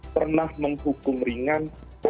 pernah menghukum ringan